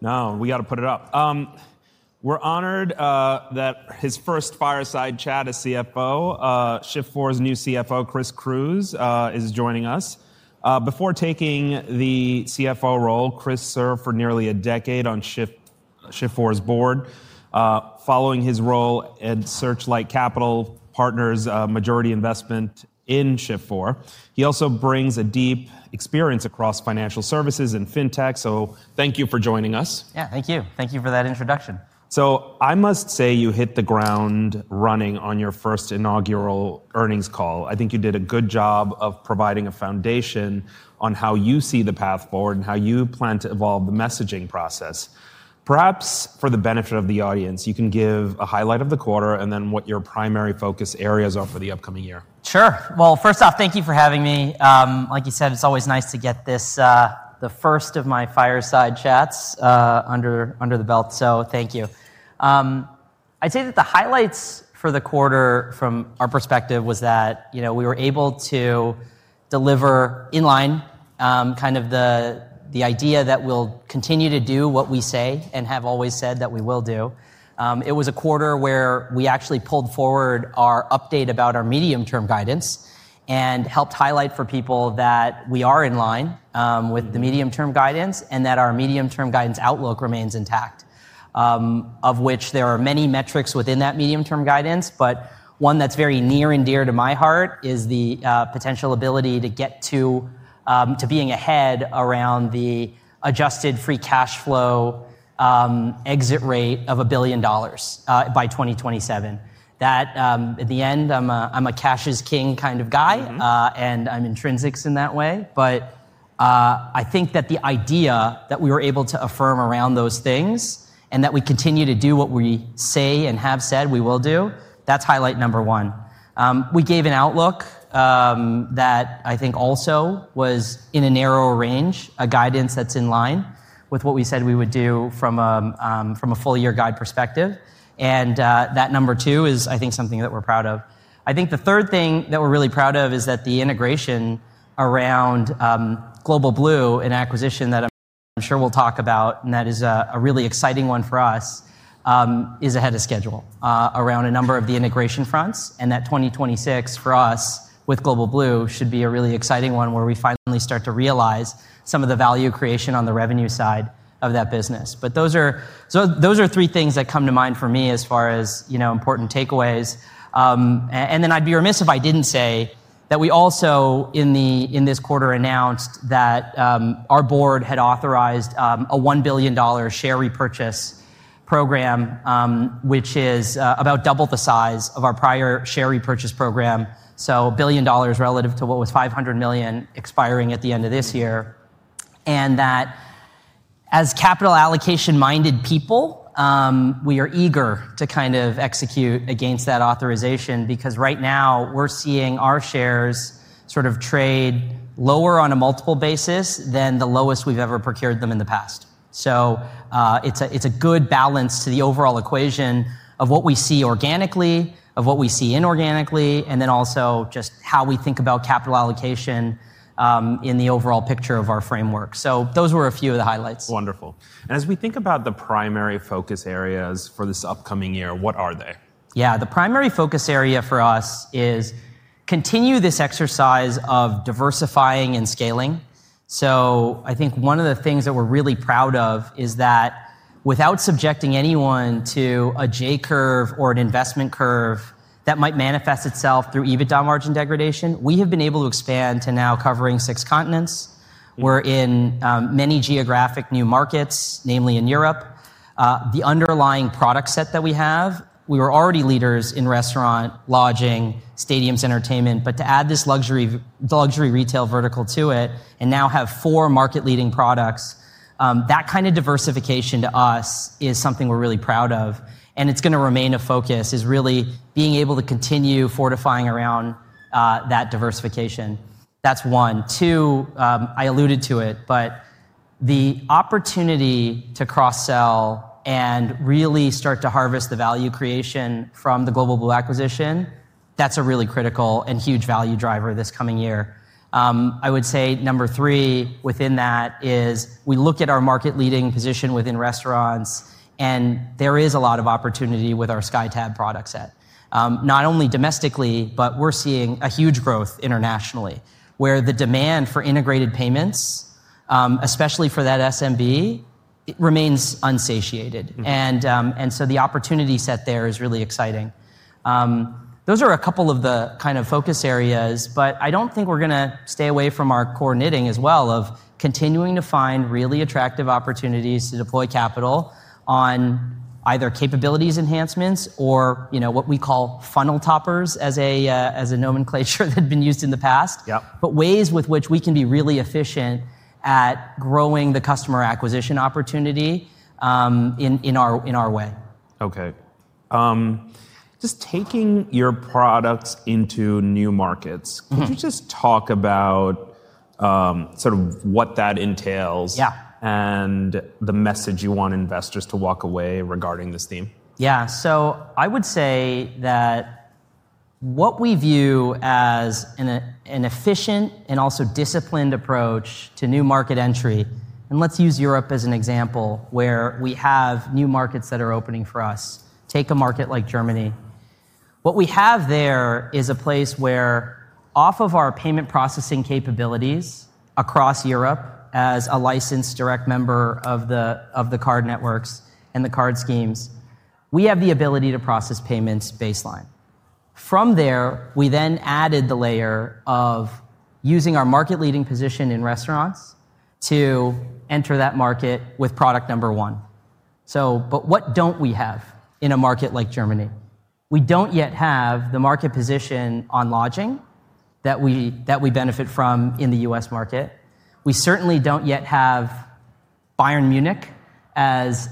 Now we got to put it up. We're honored that his first fireside chat as CFO, Shift4's new CFO, Chris Cruz, is joining us. Before taking the CFO role, Chris served for nearly a decade on Shift4's Board, following his role at Searchlight Capital Partners' majority investment in Shift4. He also brings a deep experience across financial services and fintech. So thank you for joining us. Yeah, thank you. Thank you for that introduction. I must say you hit the ground running on your first inaugural earnings call. I think you did a good job of providing a foundation on how you see the path forward and how you plan to evolve the messaging process. Perhaps for the benefit of the audience, you can give a highlight of the quarter and then what your primary focus areas are for the upcoming year. Sure. First off, thank you for having me. Like you said, it's always nice to get this, the first of my fireside chats, under the belt. Thank you. I'd say that the highlights for the quarter from our perspective was that we were able to deliver in line, kind of the idea that we'll continue to do what we say and have always said that we will do. It was a quarter where we actually pulled forward our update about our medium-term guidance and helped highlight for people that we are in line with the medium-term guidance and that our medium-term guidance outlook remains intact, of which there are many metrics within that medium-term guidance. One that's very near and dear to my heart is the potential ability to get to being ahead around the adjusted free cash flow exit rate of $1 billion by 2027. That at the end, I'm a cash is king kind of guy, and I'm intrinsics in that way. But I think that the idea that we were able to affirm around those things and that we continue to do what we say and have said we will do, that's highlight number one. We gave an outlook that I think also was in a narrow range, a guidance that's in line with what we said we would do from a full-year guide perspective. And that number two is, I think, something that we're proud of. I think the third thing that we're really proud of is that the integration around Global Blue and acquisition that I'm sure we'll talk about, and that is a really exciting one for us, is ahead of schedule around a number of the integration fronts. That 2026 for us with Global Blue should be a really exciting one where we finally start to realize some of the value creation on the revenue side of that business. Those are three things that come to mind for me as far as important takeaways. I would be remiss if I did not say that we also in this quarter announced that our board had authorized a $1 billion share repurchase program, which is about double the size of our prior share repurchase program. $1 billion relative to what was $500 million expiring at the end of this year. As capital allocation-minded people, we are eager to kind of execute against that authorization because right now we are seeing our shares sort of trade lower on a multiple basis than the lowest we have ever procured them in the past. It's a good balance to the overall equation of what we see organically, of what we see inorganically, and then also just how we think about capital allocation in the overall picture of our framework. Those were a few of the highlights. Wonderful. As we think about the primary focus areas for this upcoming year, what are they? Yeah, the primary focus area for us is continue this exercise of diversifying and scaling. I think one of the things that we're really proud of is that without subjecting anyone to a J-curve or an investment curve that might manifest itself through EBITDA margin degradation, we have been able to expand to now covering six continents. We're in many geographic new markets, namely in Europe. The underlying product set that we have, we were already leaders in restaurant, lodging, stadiums, entertainment, but to add this luxury retail vertical to it and now have four market-leading products, that kind of diversification to us is something we're really proud of. It's going to remain a focus is really being able to continue fortifying around that diversification. That's one. Two, I alluded to it, but the opportunity to cross-sell and really start to harvest the value creation from the Global Blue acquisition, that's a really critical and huge value driver this coming year. I would say number three within that is we look at our market-leading position within restaurants, and there is a lot of opportunity with our SkyTab product set. Not only domestically, but we're seeing a huge growth internationally where the demand for integrated payments, especially for that SMB, remains unsatiated. The opportunity set there is really exciting. Those are a couple of the kind of focus areas, but I don't think we're going to stay away from our core knitting as well of continuing to find really attractive opportunities to deploy capital on either capabilities enhancements or what we call funnel toppers as a nomenclature that had been used in the past, but ways with which we can be really efficient at growing the customer acquisition opportunity in our way. Okay. Just taking your products into new markets, could you just talk about sort of what that entails and the message you want investors to walk away regarding this theme? Yeah. I would say that what we view as an efficient and also disciplined approach to new market entry, and let's use Europe as an example where we have new markets that are opening for us, take a market like Germany. What we have there is a place where off of our payment processing capabilities across Europe as a licensed direct member of the card networks and the card schemes, we have the ability to process payments baseline. From there, we then added the layer of using our market-leading position in restaurants to enter that market with product number one. What do not we have in a market like Germany? We do not yet have the market position on lodging that we benefit from in the U.S. market. We certainly do not yet have Bayern Munich as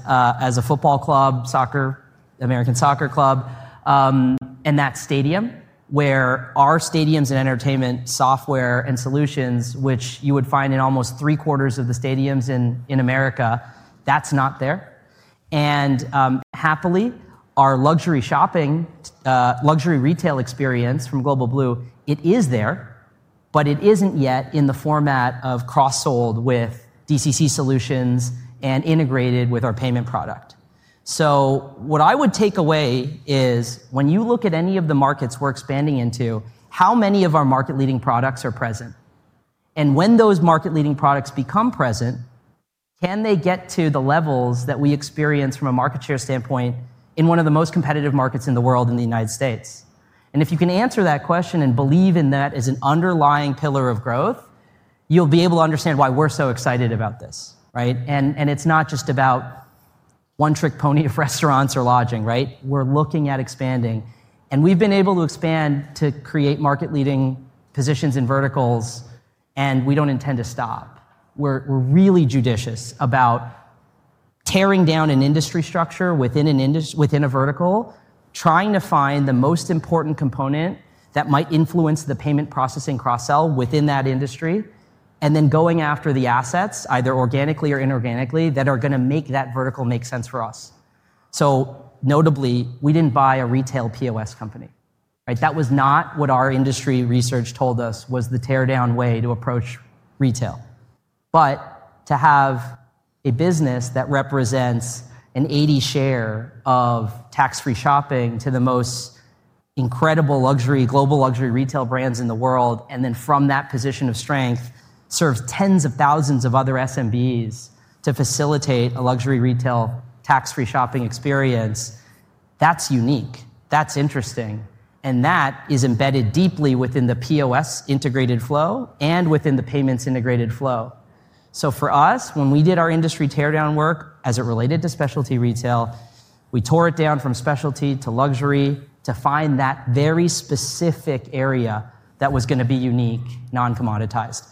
a football club, soccer, American soccer club, and that stadium where our stadiums and entertainment software and solutions, which you would find in almost three quarters of the stadiums in America, that is not there. Happily, our luxury shopping, luxury retail experience from Global Blue, it is there, but it is not yet in the format of cross-sold with DCC solutions and integrated with our payment product. What I would take away is when you look at any of the markets we are expanding into, how many of our market-leading products are present? When those market-leading products become present, can they get to the levels that we experience from a market share standpoint in one of the most competitive markets in the world in the United States? If you can answer that question and believe in that as an underlying pillar of growth, you'll be able to understand why we're so excited about this. It's not just about one trick pony of restaurants or lodging. We're looking at expanding. We've been able to expand to create market-leading positions in verticals, and we don't intend to stop. We're really judicious about tearing down an industry structure within a vertical, trying to find the most important component that might influence the payment processing cross-sell within that industry, and then going after the assets, either organically or inorganically, that are going to make that vertical make sense for us. Notably, we didn't buy a retail POS company. That was not what our industry research told us was the tear-down way to approach retail. To have a business that represents an 80 share of tax-free shopping to the most incredible global luxury retail brands in the world, and then from that position of strength serve tens of thousands of other SMBs to facilitate a luxury retail tax-free shopping experience, that's unique. That's interesting. That is embedded deeply within the POS integrated flow and within the payments integrated flow. For us, when we did our industry tear-down work as it related to specialty retail, we tore it down from specialty to luxury to find that very specific area that was going to be unique, non-commoditized.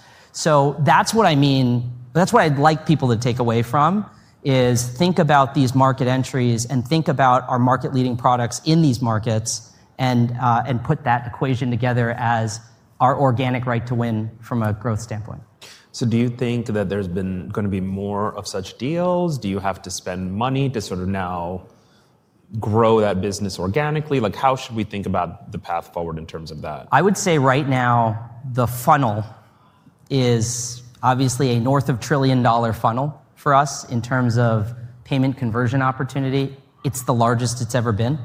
That is what I mean. That is what I would like people to take away from is think about these market entries and think about our market-leading products in these markets and put that equation together as our organic right to win from a growth standpoint. Do you think that there's been going to be more of such deals? Do you have to spend money to sort of now grow that business organically? How should we think about the path forward in terms of that? I would say right now the funnel is obviously a north of trillion dollar funnel for us in terms of payment conversion opportunity. It's the largest it's ever been.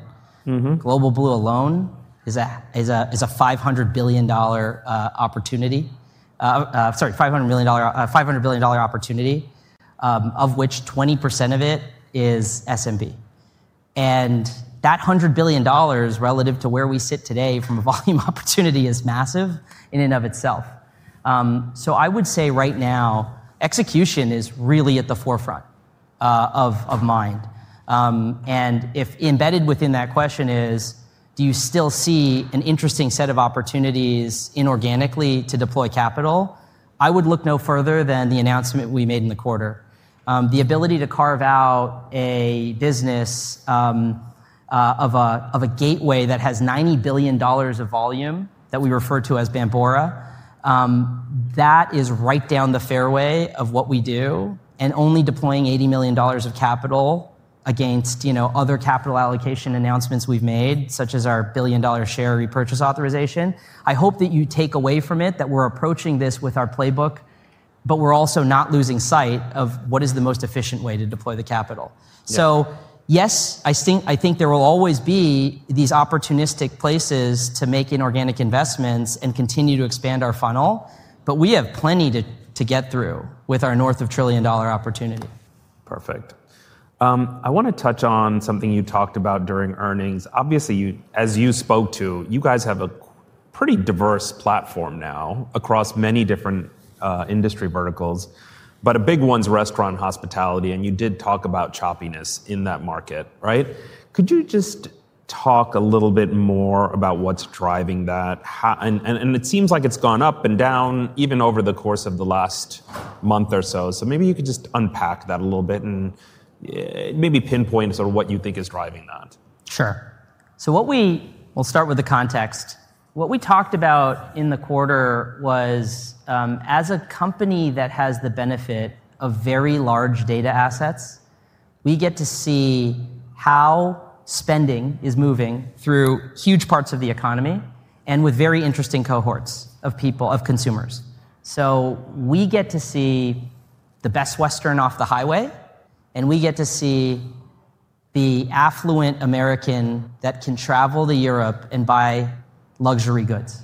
Global Blue alone is a $500 billion opportunity, sorry, $500 billion opportunity, of which 20% of it is SMB. And that $100 billion relative to where we sit today from a volume opportunity is massive in and of itself. I would say right now execution is really at the forefront of mind. Embedded within that question is, do you still see an interesting set of opportunities inorganically to deploy capital? I would look no further than the announcement we made in the quarter. The ability to carve out a business of a gateway that has $90 billion of volume that we refer to as Bambora, that is right down the fairway of what we do and only deploying $80 million of capital against other capital allocation announcements we've made, such as our $1 billion share repurchase authorization. I hope that you take away from it that we're approaching this with our playbook, but we're also not losing sight of what is the most efficient way to deploy the capital. Yes, I think there will always be these opportunistic places to make inorganic investments and continue to expand our funnel, but we have plenty to get through with our north of trillion dollar opportunity. Perfect. I want to touch on something you talked about during earnings. Obviously, as you spoke to, you guys have a pretty diverse platform now across many different industry verticals, but a big one is restaurant hospitality. You did talk about choppiness in that market. Could you just talk a little bit more about what's driving that? It seems like it's gone up and down even over the course of the last month or so. Maybe you could just unpack that a little bit and maybe pinpoint sort of what you think is driving that. Sure. We'll start with the context. What we talked about in the quarter was as a company that has the benefit of very large data assets, we get to see how spending is moving through huge parts of the economy and with very interesting cohorts of consumers. We get to see the Best Western off the highway, and we get to see the affluent American that can travel to Europe and buy luxury goods.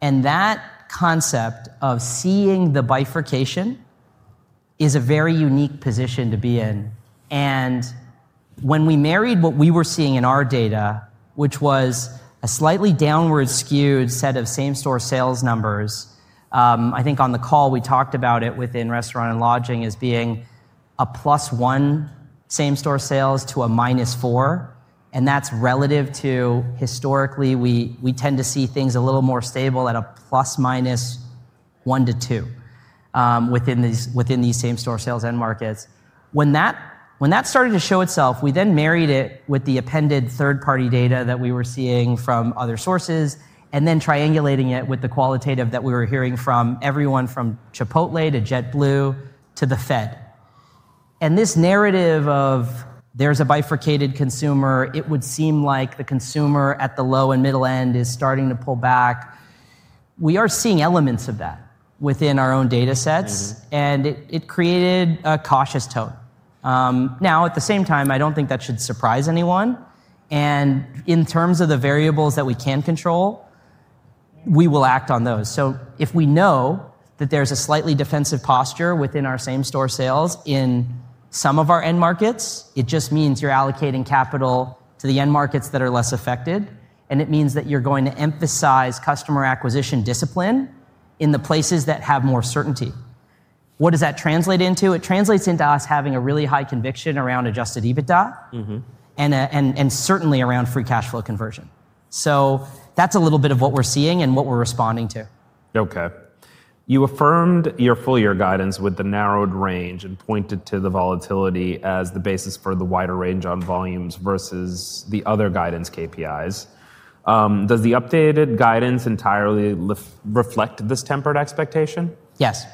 That concept of seeing the bifurcation is a very unique position to be in. When we married what we were seeing in our data, which was a slightly downward skewed set of same-store sales numbers, I think on the call we talked about it within restaurant and lodging as being a +1% same-store sales to a -4%. That is relative to historically we tend to see things a little more stable at a ±1%-2% within these same-store sales end markets. When that started to show itself, we then married it with the appended third-party data that we were seeing from other sources and then triangulating it with the qualitative that we were hearing from everyone from Chipotle to JetBlue to the Fed. This narrative of there is a bifurcated consumer, it would seem like the consumer at the low and middle end is starting to pull back. We are seeing elements of that within our own data sets, and it created a cautious tone. At the same time, I do not think that should surprise anyone. In terms of the variables that we can control, we will act on those. If we know that there's a slightly defensive posture within our same-store sales in some of our end markets, it just means you're allocating capital to the end markets that are less affected. It means that you're going to emphasize customer acquisition discipline in the places that have more certainty. What does that translate into? It translates into us having a really high conviction around Adjusted EBITDA and certainly around free cash flow conversion. That's a little bit of what we're seeing and what we're responding to. Okay. You affirmed your full-year guidance with the narrowed range and pointed to the volatility as the basis for the wider range on volumes versus the other guidance KPIs. Does the updated guidance entirely reflect this tempered expectation? Yes.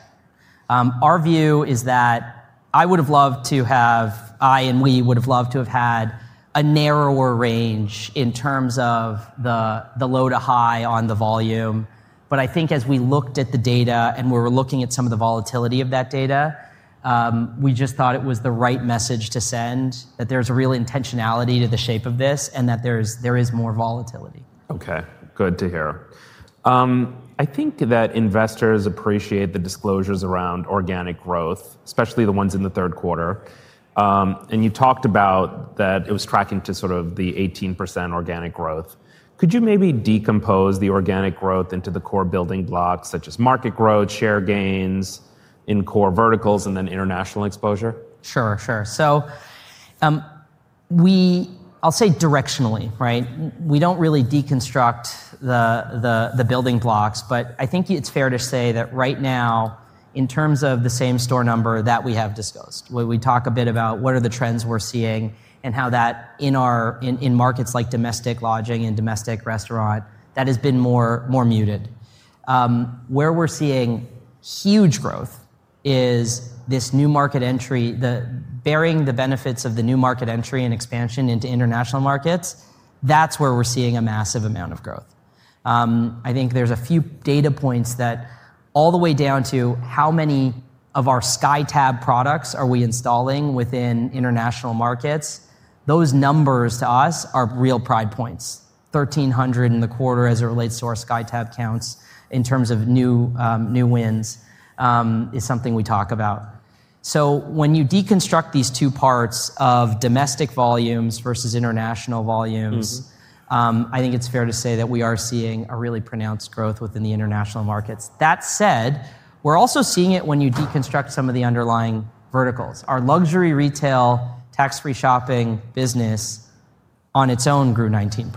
Our view is that I would have loved to have, I and we would have loved to have had a narrower range in terms of the low to high on the volume. I think as we looked at the data and we were looking at some of the volatility of that data, we just thought it was the right message to send that there's a real intentionality to the shape of this and that there is more volatility. Okay. Good to hear. I think that investors appreciate the disclosures around organic growth, especially the ones in the third quarter. You talked about that it was tracking to sort of the 18% organic growth. Could you maybe decompose the organic growth into the core building blocks such as market growth, share gains in core verticals, and then international exposure? Sure. I'll say directionally, we don't really deconstruct the building blocks, but I think it's fair to say that right now in terms of the same-store number that we have disclosed, we talk a bit about what are the trends we're seeing and how that in markets like domestic lodging and domestic restaurant, that has been more muted. Where we're seeing huge growth is this new market entry, the bearing the benefits of the new market entry and expansion into international markets. That's where we're seeing a massive amount of growth. I think there's a few data points that all the way down to how many of our SkyTab products are we installing within international markets. Those numbers to us are real pride points. 1,300 in the quarter as it relates to our SkyTab counts in terms of new wins is something we talk about. When you deconstruct these two parts of domestic volumes versus international volumes, I think it's fair to say that we are seeing a really pronounced growth within the international markets. That said, we're also seeing it when you deconstruct some of the underlying verticals. Our luxury retail tax-free shopping business on its own grew 19%.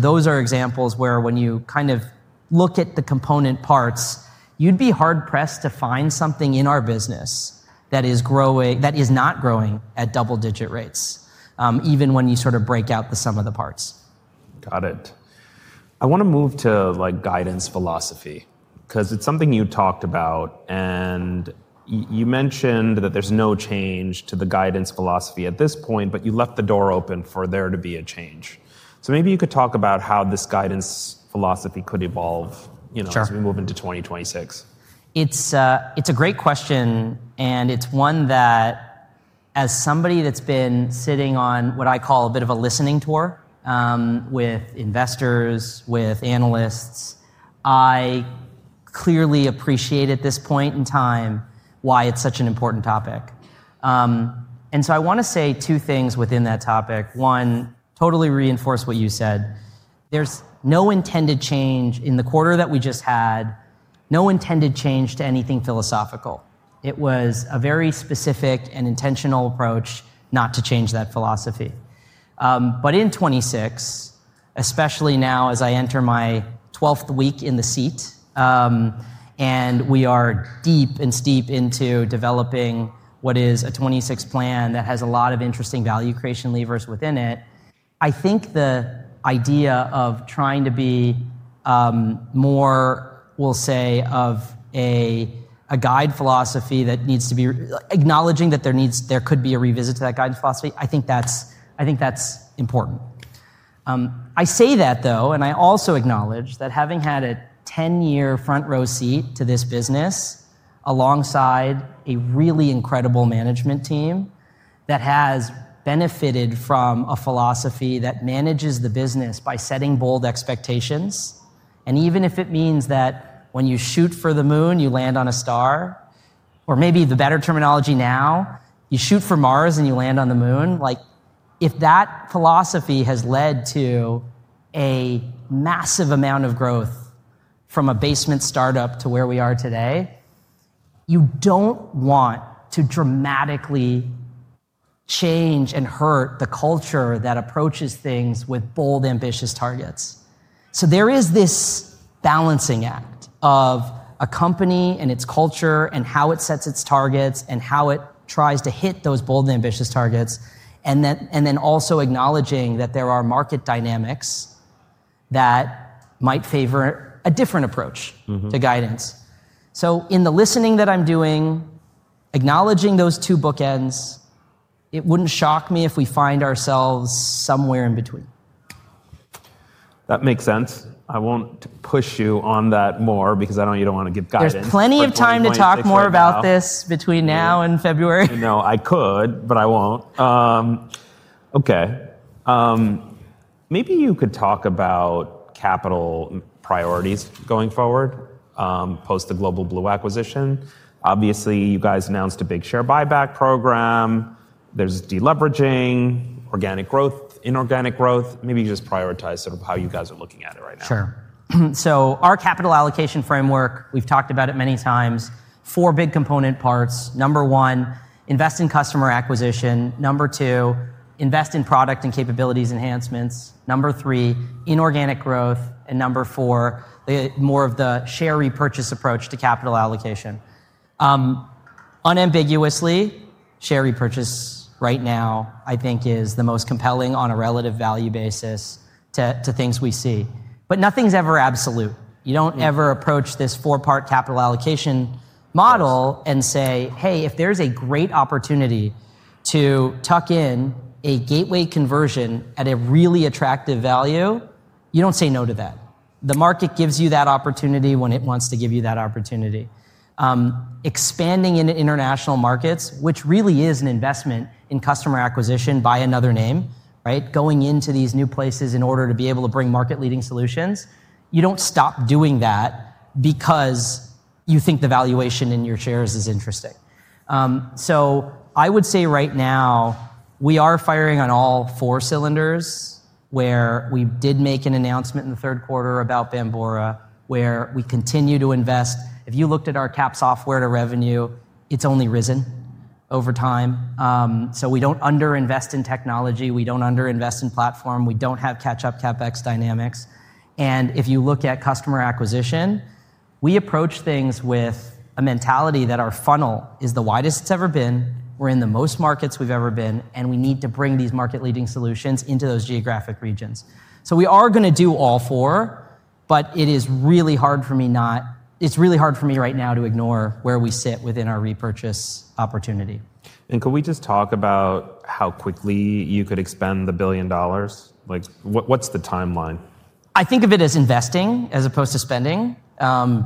Those are examples where when you kind of look at the component parts, you'd be hard-pressed to find something in our business that is not growing at double-digit rates, even when you sort of break out the sum of the parts. Got it. I want to move to guidance philosophy because it's something you talked about. You mentioned that there's no change to the guidance philosophy at this point, but you left the door open for there to be a change. Maybe you could talk about how this guidance philosophy could evolve as we move into 2026. It's a great question. It's one that as somebody that's been sitting on what I call a bit of a listening tour with investors, with analysts, I clearly appreciate at this point in time why it's such an important topic. I want to say two things within that topic. One, totally reinforce what you said. There's no intended change in the quarter that we just had, no intended change to anything philosophical. It was a very specific and intentional approach not to change that philosophy. In 2026, especially now as I enter my twelfth week in the seat and we are deep and steep into developing what is a 2026 plan that has a lot of interesting value creation levers within it, I think the idea of trying to be more, we will say, of a guide philosophy that needs to be acknowledging that there could be a revisit to that guidance philosophy, I think that is important. I say that though, and I also acknowledge that having had a ten-year front-row seat to this business alongside a really incredible management team that has benefited from a philosophy that manages the business by setting bold expectations. Even if it means that when you shoot for the moon, you land on a star, or maybe the better terminology now, you shoot for Mars and you land on the moon, if that philosophy has led to a massive amount of growth from a basement startup to where we are today, you do not want to dramatically change and hurt the culture that approaches things with bold, ambitious targets. There is this balancing act of a company and its culture and how it sets its targets and how it tries to hit those bold and ambitious targets, and then also acknowledging that there are market dynamics that might favor a different approach to guidance. In the listening that I am doing, acknowledging those two bookends, it would not shock me if we find ourselves somewhere in between. That makes sense. I won't push you on that more because I know you don't want to give guidance. There's plenty of time to talk more about this between now and February. No, I could, but I won't. Okay. Maybe you could talk about capital priorities going forward post the Global Blue acquisition. Obviously, you guys announced a big share buyback program. There's deleveraging, organic growth, inorganic growth. Maybe you just prioritize sort of how you guys are looking at it right now. Sure. Our capital allocation framework, we've talked about it many times, four big component parts. Number one, invest in customer acquisition. Number two, invest in product and capabilities enhancements. Number three, inorganic growth. Number four, more of the share repurchase approach to capital allocation. Unambiguously, share repurchase right now, I think, is the most compelling on a relative value basis to things we see. Nothing's ever absolute. You don't ever approach this four-part capital allocation model and say, "Hey, if there's a great opportunity to tuck in a gateway conversion at a really attractive value, you don't say no to that." The market gives you that opportunity when it wants to give you that opportunity. Expanding into international markets, which really is an investment in customer acquisition by another name, going into these new places in order to be able to bring market-leading solutions, you do not stop doing that because you think the valuation in your shares is interesting. I would say right now we are firing on all four cylinders where we did make an announcement in the third quarter about Bambora, where we continue to invest. If you looked at our CapEx software to revenue, it has only risen over time. We do not underinvest in technology. We do not underinvest in platform. We do not have catch-up CapEx dynamics. If you look at customer acquisition, we approach things with a mentality that our funnel is the widest it has ever been. We are in the most markets we have ever been, and we need to bring these market-leading solutions into those geographic regions. We are going to do all four, but it is really hard for me not, it's really hard for me right now to ignore where we sit within our repurchase opportunity. Could we just talk about how quickly you could expend the $1 billion? What's the timeline? I think of it as investing as opposed to spending,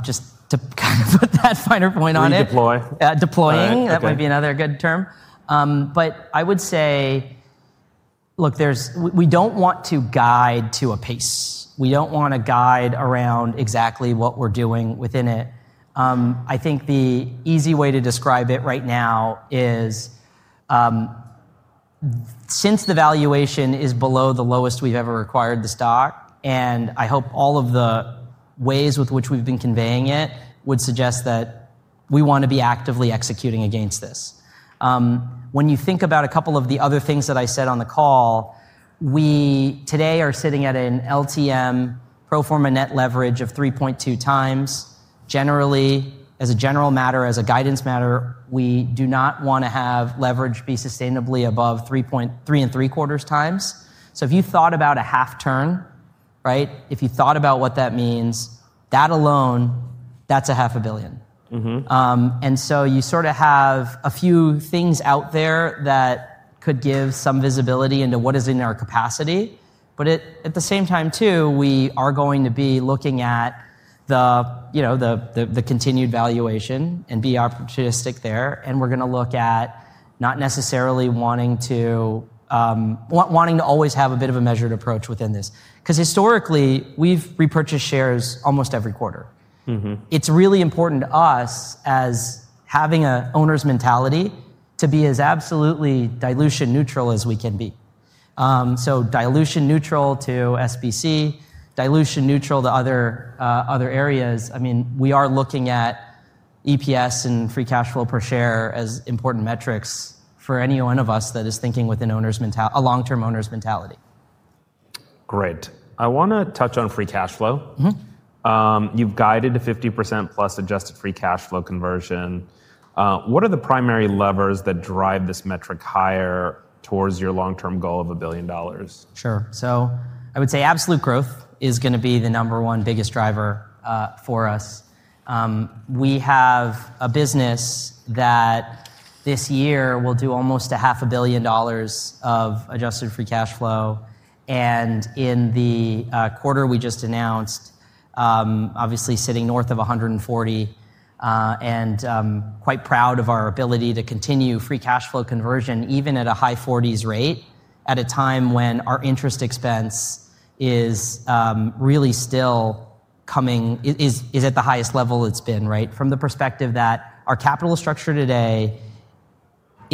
just to kind of put that finer point on it. And deploy. Deploying. That might be another good term. I would say, look, we do not want to guide to a pace. We do not want to guide around exactly what we are doing within it. I think the easy way to describe it right now is since the valuation is below the lowest we have ever acquired the stock, and I hope all of the ways with which we have been conveying it would suggest that we want to be actively executing against this. When you think about a couple of the other things that I said on the call, we today are sitting at an LTM pro forma net leverage of 3.2x. Generally, as a general matter, as a guidance matter, we do not want to have leverage be sustainably above 3 and three-quarters times. If you thought about a half turn, if you thought about what that means, that alone, that's $500,000,000. You sort of have a few things out there that could give some visibility into what is in our capacity. At the same time, too, we are going to be looking at the continued valuation and be opportunistic there. We are going to look at not necessarily wanting to always have a bit of a measured approach within this. Because historically, we've repurchased shares almost every quarter. It's really important to us as having an owner's mentality to be as absolutely dilution neutral as we can be. Dilution neutral to SPC, dilution neutral to other areas. I mean, we are looking at EPS and free cash flow per share as important metrics for any one of us that is thinking within a long-term owner's mentality. Great. I want to touch on free cash flow. You've guided to 50%+ adjusted free cash flow conversion. What are the primary levers that drive this metric higher towards your long-term goal of $1 billion? Sure. I would say absolute growth is going to be the number one biggest driver for us. We have a business that this year will do almost $500,000,000 of adjusted free cash flow. In the quarter we just announced, obviously sitting north of $140 million and quite proud of our ability to continue free cash flow conversion, even at a high 40% rate at a time when our interest expense is really still coming, is at the highest level it has been, right? From the perspective that our capital structure today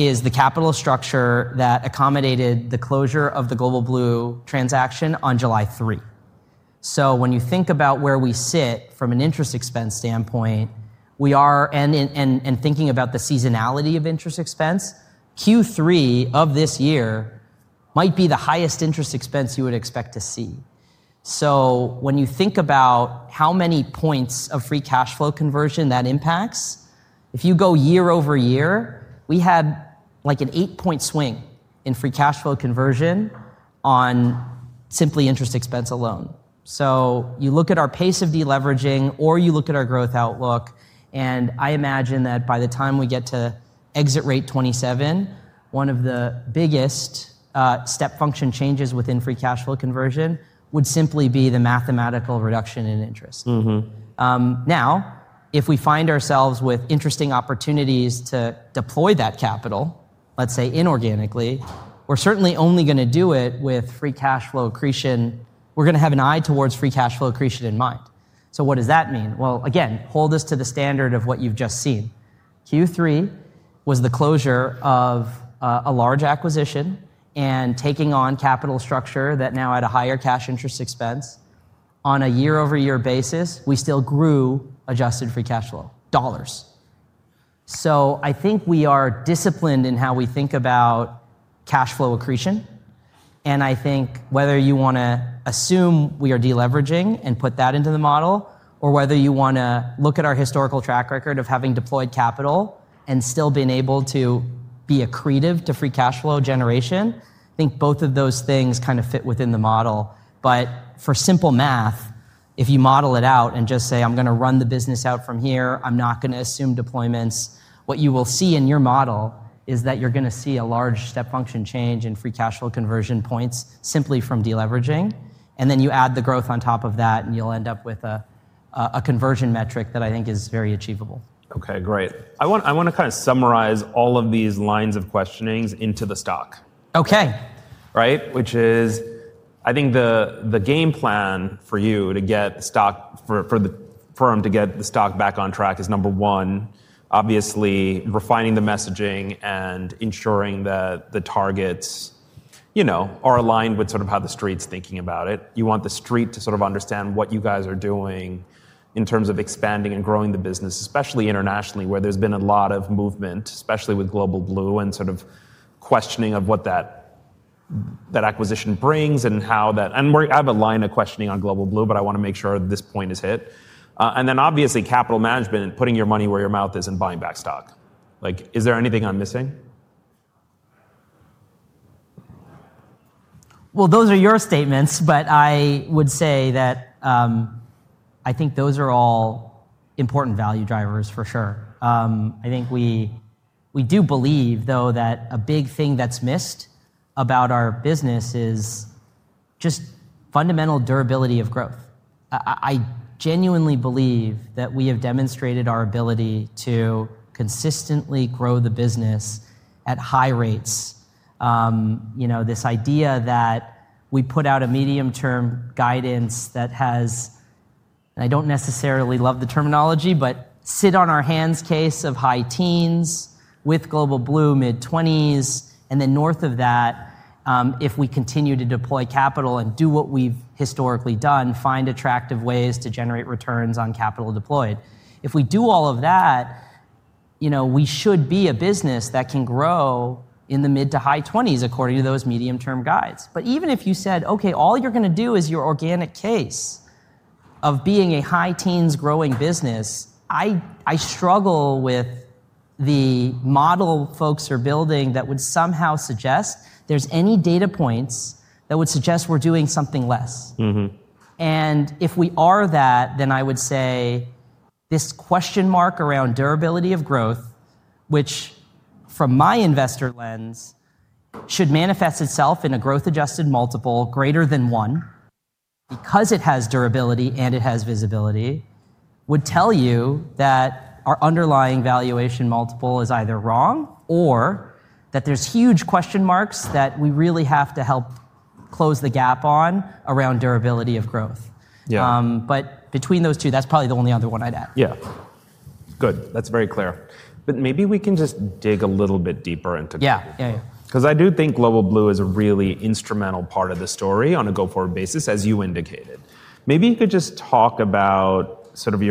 is the capital structure that accommodated the closure of the Global Blue transaction on July 3. When you think about where we sit from an interest expense standpoint, we are, and thinking about the seasonality of interest expense, Q3 of this year might be the highest interest expense you would expect to see. When you think about how many points of free cash flow conversion that impacts, if you go year-over-year, we had like an eight-point swing in free cash flow conversion on simply interest expense alone. You look at our pace of deleveraging or you look at our growth outlook, and I imagine that by the time we get to exit rate 2027, one of the biggest step function changes within free cash flow conversion would simply be the mathematical reduction in interest. If we find ourselves with interesting opportunities to deploy that capital, let's say inorganically, we're certainly only going to do it with free cash flow accretion. We're going to have an eye towards free cash flow accretion in mind. What does that mean? Again, hold us to the standard of what you've just seen. Q3 was the closure of a large acquisition and taking on capital structure that now had a higher cash interest expense. On a year-over-year basis, we still grew adjusted free cash flow dollars. I think we are disciplined in how we think about cash flow accretion. I think whether you want to assume we are deleveraging and put that into the model, or whether you want to look at our historical track record of having deployed capital and still being able to be accretive to free cash flow generation, I think both of those things kind of fit within the model. For simple math, if you model it out and just say, "I'm going to run the business out from here, I'm not going to assume deployments," what you will see in your model is that you're going to see a large step function change in free cash flow conversion points simply from deleveraging. Then you add the growth on top of that, and you'll end up with a conversion metric that I think is very achievable. Okay, great. I want to kind of summarize all of these lines of questioning into the stock. Okay. Right? Which is, I think the game plan for you to get the stock, for the firm to get the stock back on track is number one, obviously refining the messaging and ensuring that the targets are aligned with sort of how the street's thinking about it. You want the street to sort of understand what you guys are doing in terms of expanding and growing the business, especially internationally, where there's been a lot of movement, especially with Global Blue and sort of questioning of what that acquisition brings and how that, and I have a line of questioning on Global Blue, but I want to make sure this point is hit. Then obviously capital management, putting your money where your mouth is and buying back stock. Is there anything I'm missing? Those are your statements, but I would say that I think those are all important value drivers for sure. I think we do believe, though, that a big thing that's missed about our business is just fundamental durability of growth. I genuinely believe that we have demonstrated our ability to consistently grow the business at high rates. This idea that we put out a medium-term guidance that has, and I do not necessarily love the terminology, but sit on our hands case of high teens with Global Blue mid-20s, and then north of that, if we continue to deploy capital and do what we have historically done, find attractive ways to generate returns on capital deployed. If we do all of that, we should be a business that can grow in the mid to high 20s according to those medium-term guides. Even if you said, "Okay, all you're going to do is your organic case of being a high teens growing business," I struggle with the model folks are building that would somehow suggest there's any data points that would suggest we're doing something less. If we are that, then I would say this question mark around durability of growth, which from my investor lens should manifest itself in a growth adjusted multiple greater than one because it has durability and it has visibility, would tell you that our underlying valuation multiple is either wrong or that there's huge question marks that we really have to help close the gap on around durability of growth. Between those two, that's probably the only other one I'd add. Yeah. Good. That's very clear. Maybe we can just dig a little bit deeper into Global Blue. Because I do think Global Blue is a really instrumental part of the story on a go-forward basis, as you indicated. Maybe you could just talk about sort of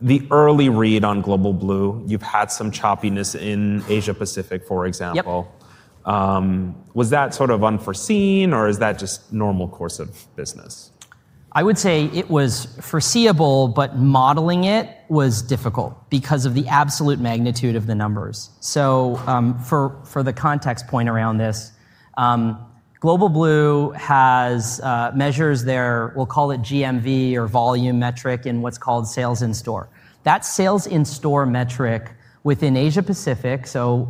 the early read on Global Blue. You've had some choppiness in Asia-Pacific, for example. Was that sort of unforeseen, or is that just normal course of business? I would say it was foreseeable, but modeling it was difficult because of the absolute magnitude of the numbers. For the context point around this, Global Blue has measures there, we will call it GMV or volume metric in what is called sales in store. That sales in store metric within Asia-Pacific, so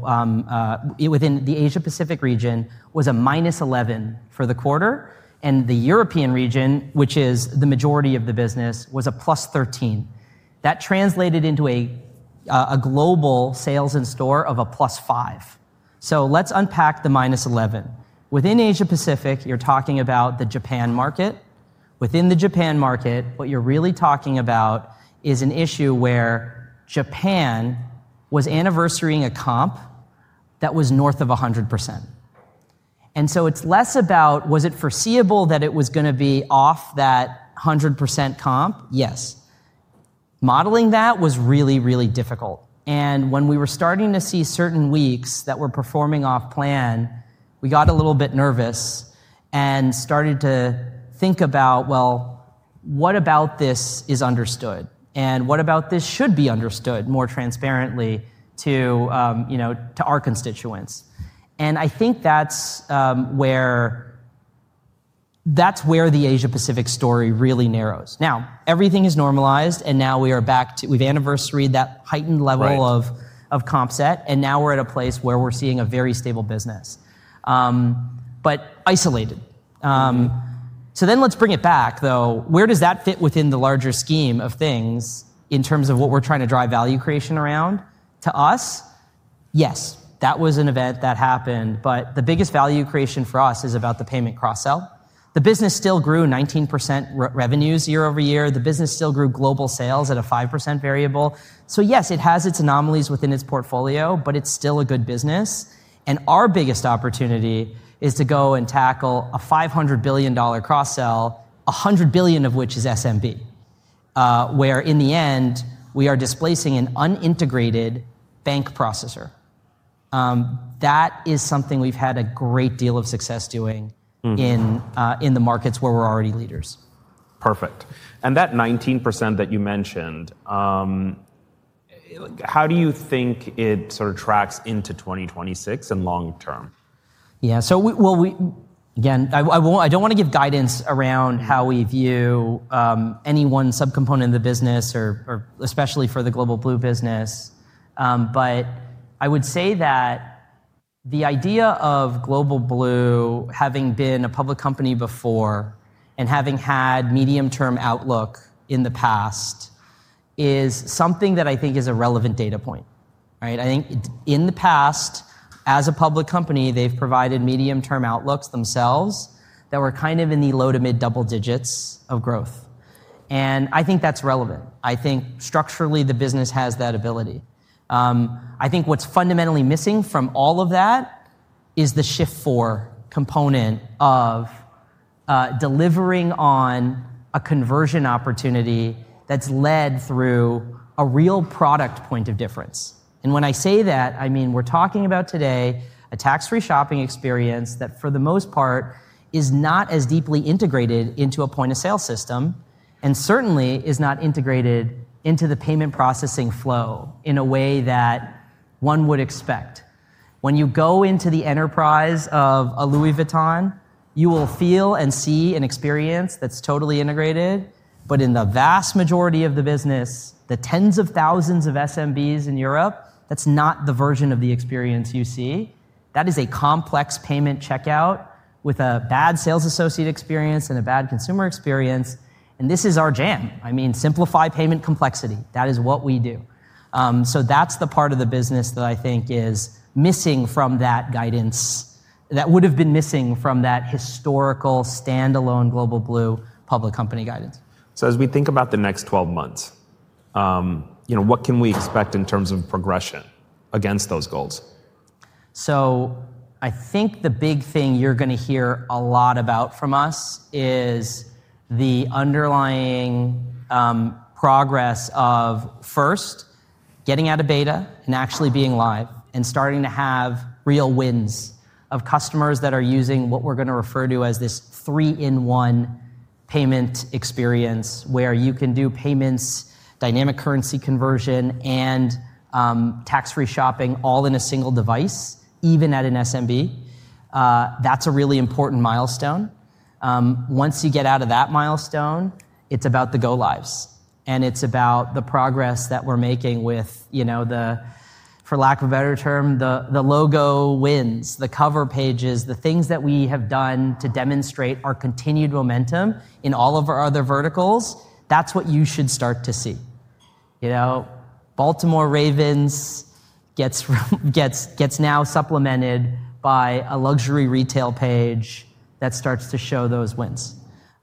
within the Asia-Pacific region, was a -11% for the quarter. The European region, which is the majority of the business, was a +13%. That translated into a global sales in store of a +5%. Let's unpack the -11%. Within Asia-Pacific, you are talking about the Japan market. Within the Japan market, what you are really talking about is an issue where Japan was anniversarying a comp that was north of 100%. It is less about, was it foreseeable that it was going to be off that 100% comp? Yes. Modeling that was really, really difficult. When we were starting to see certain weeks that were performing off plan, we got a little bit nervous and started to think about, well, what about this is understood? What about this should be understood more transparently to our constituents? I think that's where the Asia-Pacific story really narrows. Now, everything is normalized, and now we are back to, we've anniversaryed that heightened level of comp set, and now we're at a place where we're seeing a very stable business, but isolated. Let's bring it back, though. Where does that fit within the larger scheme of things in terms of what we're trying to drive value creation around to us? Yes, that was an event that happened, but the biggest value creation for us is about the payment cross-sell. The business still grew 19% revenues year-over-year. The business still grew global sales at a 5% variable. Yes, it has its anomalies within its portfolio, but it's still a good business. Our biggest opportunity is to go and tackle a $500 billion cross-sell, $100 billion of which is SMB, where in the end, we are displacing an unintegrated bank processor. That is something we've had a great deal of success doing in the markets where we're already leaders. Perfect. That 19% that you mentioned, how do you think it sort of tracks into 2026 and long term? Yeah. Again, I do not want to give guidance around how we view any one subcomponent of the business, or especially for the Global Blue business. I would say that the idea of Global Blue having been a public company before and having had medium-term outlook in the past is something that I think is a relevant data point. I think in the past, as a public company, they have provided medium-term outlooks themselves that were kind of in the low to mid double digits of growth. I think that is relevant. I think structurally the business has that ability. I think what is fundamentally missing from all of that is the Shift4 component of delivering on a conversion opportunity that is led through a real product point of difference. When I say that, I mean we're talking about today a tax-free shopping experience that for the most part is not as deeply integrated into a point of sale system and certainly is not integrated into the payment processing flow in a way that one would expect. You go into the enterprise of a Louis Vuitton, you will feel and see an experience that's totally integrated, but in the vast majority of the business, the tens of thousands of SMBs in Europe, that's not the version of the experience you see. That is a complex payment checkout with a bad sales associate experience and a bad consumer experience. This is our jam. I mean, simplify payment complexity. That is what we do. That's the part of the business that I think is missing from that guidance that would have been missing from that historical standalone Global Blue public company guidance. As we think about the next 12 months, what can we expect in terms of progression against those goals? I think the big thing you're going to hear a lot about from us is the underlying progress of first getting out of beta and actually being live and starting to have real wins of customers that are using what we're going to refer to as this three-in-one payment experience where you can do payments, dynamic currency conversion, and tax-free shopping all in a single device, even at an SMB. That's a really important milestone. Once you get out of that milestone, it's about the go-lives and it's about the progress that we're making with, for lack of a better term, the logo wins, the cover pages, the things that we have done to demonstrate our continued momentum in all of our other verticals. That's what you should start to see. Baltimore Ravens gets now supplemented by a luxury retail page that starts to show those wins.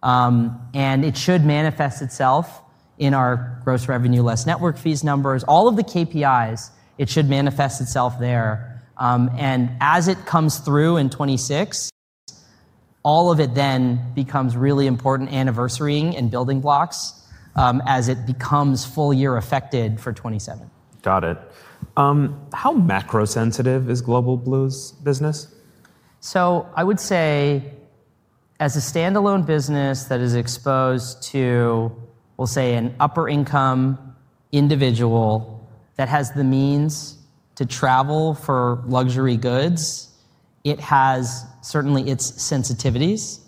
It should manifest itself in our gross revenue less network fees numbers, all of the KPIs. It should manifest itself there. As it comes through in 2026, all of it then becomes really important anniversarying and building blocks as it becomes full year affected for 2027. Got it. How macro-sensitive is Global Blue's business? I would say as a standalone business that is exposed to, we'll say, an upper-income individual that has the means to travel for luxury goods, it has certainly its sensitivities.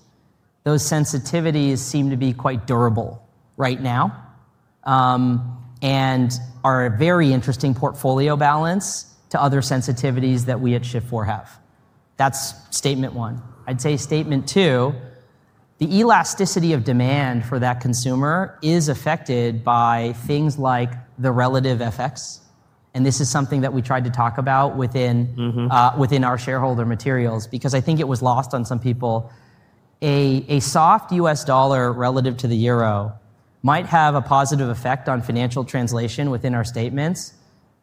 Those sensitivities seem to be quite durable right now and are a very interesting portfolio balance to other sensitivities that we at Shift4 have. That's statement one. I'd say statement two, the elasticity of demand for that consumer is affected by things like the relative FX. This is something that we tried to talk about within our shareholder materials because I think it was lost on some people. A soft U.S. dollar relative to the euro might have a positive effect on financial translation within our statements,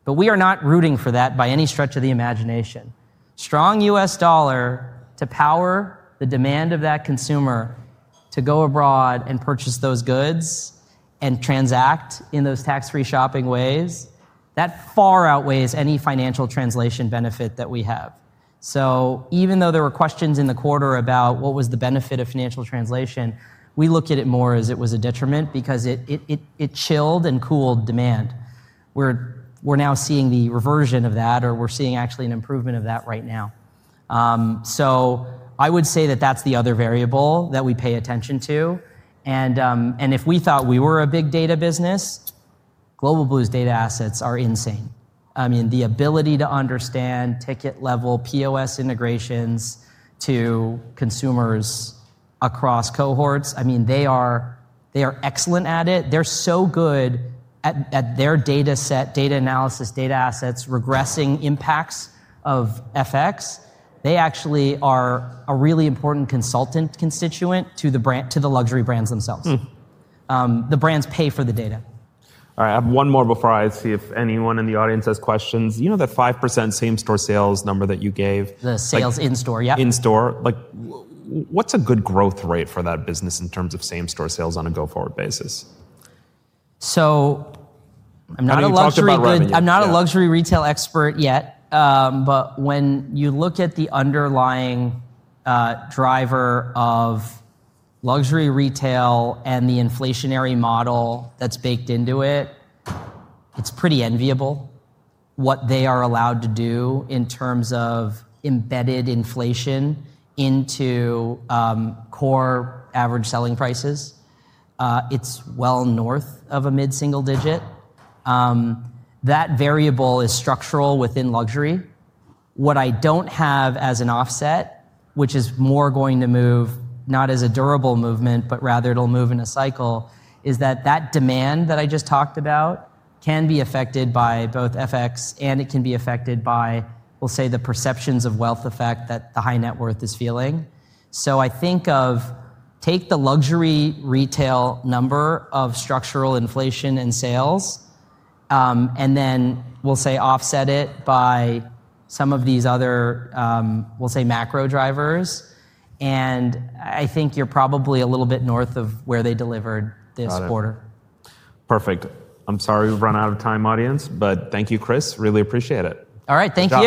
but we are not rooting for that by any stretch of the imagination. Strong U.S. dollar to power the demand of that consumer to go abroad and purchase those goods and transact in those tax-free shopping ways, that far outweighs any financial translation benefit that we have. Even though there were questions in the quarter about what was the benefit of financial translation, we looked at it more as it was a detriment because it chilled and cooled demand. We're now seeing the reversion of that, or we're seeing actually an improvement of that right now. I would say that that's the other variable that we pay attention to. If we thought we were a big data business, Global Blue's data assets are insane. I mean, the ability to understand ticket-level POS integrations to consumers across cohorts, I mean, they are excellent at it. They're so good at their data set, data analysis, data assets, regressing impacts of FX. They actually are a really important constituent to the luxury brands themselves. The brands pay for the data. All right. I have one more before I see if anyone in the audience has questions. You know that 5% same-store sales number that you gave? The sales in store, yeah. In store. What's a good growth rate for that business in terms of same-store sales on a go-forward basis? I'm not a luxury retail expert yet, but when you look at the underlying driver of luxury retail and the inflationary model that's baked into it, it's pretty enviable what they are allowed to do in terms of embedded inflation into core average selling prices. It's well north of a mid-single digit. That variable is structural within luxury. What I don't have as an offset, which is more going to move not as a durable movement, but rather it'll move in a cycle, is that that demand that I just talked about can be affected by both FX, and it can be affected by, we'll say, the perceptions of wealth effect that the high net worth is feeling. I think of take the luxury retail number of structural inflation and sales, and then we'll say offset it by some of these other, we'll say, macro drivers. I think you're probably a little bit north of where they delivered this quarter. Perfect. I'm sorry we've run out of time, audience, but thank you, Chris. Really appreciate it. All right. Thank you.